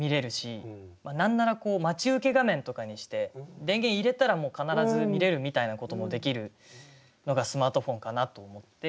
何なら待ち受け画面とかにして電源入れたらもう必ず見れるみたいなこともできるのがスマートフォンかなと思って。